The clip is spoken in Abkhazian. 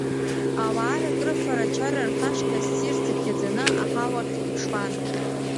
Ауаа рыкрыфара-чара рхашҭны ссирс иԥхьаӡаны аҳауахь иԥшуан.